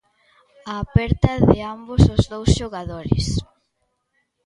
A aperta de ambos os dous xogadores.